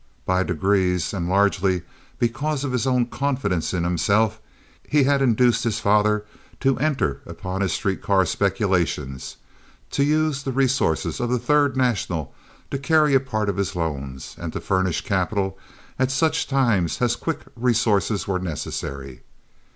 By degrees, and largely because of his own confidence in himself, he had induced his father to enter upon his street car speculations, to use the resources of the Third National to carry a part of his loans and to furnish capital at such times as quick resources were necessary.